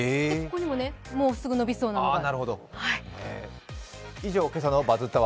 ここにも、もうすぐ伸びそうなのが。